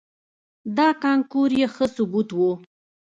دا کانکور یې ښه ثبوت و.